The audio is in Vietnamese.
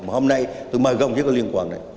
mà hôm nay tôi mời gồng với các liên quan này